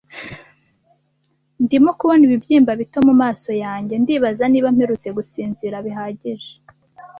Ndimo kubona ibibyimba bito mumaso yanjye. Ndibaza niba mperutse gusinzira bihagije.